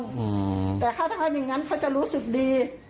อืมแต่ถ้าทำอย่างงั้นเขาจะรู้สึกดี